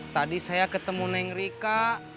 tadi saya ketemu neng rika